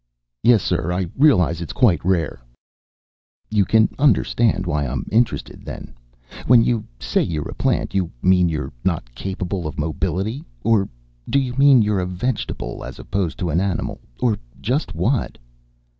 "Yes, sir, I realize it's quite rare." "You can understand why I'm interested, then. When you say you're a plant, you mean you're not capable of mobility? Or do you mean you're a vegetable, as opposed to an animal? Or just what?"